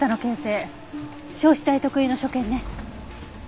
焼死体特有の所見ね。